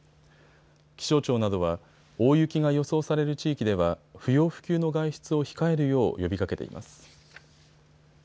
気象庁などは大雪が予想される地域では不要不急の外出を控えるよう呼びかけています。